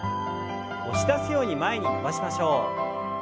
押し出すように前に伸ばしましょう。